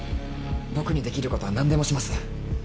僕にできることは何でもします。